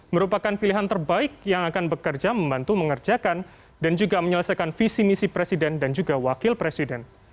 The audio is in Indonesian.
merupakan pilihan terbaik yang akan bekerja membantu mengerjakan dan juga menyelesaikan visi misi presiden dan juga wakil presiden